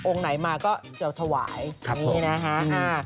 ไหนมาก็จะถวายนี่นะฮะ